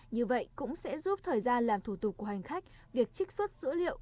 như vậy cũng sẽ giúp thời gian làm thủ tục của hành khách việc trích xuất dữ liệu